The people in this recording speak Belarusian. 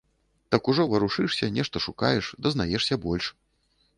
Так ужо варушышся, нешта шукаеш, дазнаешся больш.